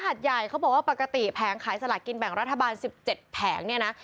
หัดใหญ่เขาบอกว่าปกติแผงขายสลากกินแบ่งรัฐบาล๑๗แผงเนี่ยนะ